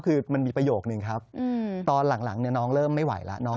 คือมันมีประโยคนึงครับตอนหลังเนี่ยน้องเริ่มไม่ไหวแล้ว